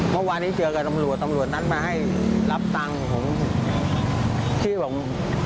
เมื่อวานนี้เจอกับตำรวจตำรวจนั้นมาให้รับตังค์ผมที่บอก